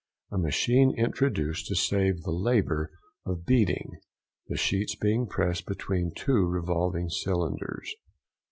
—A machine introduced to save the labour of beating, the sheets being passed between two revolving cylinders.